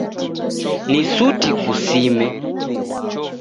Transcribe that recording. Ni suti kusime.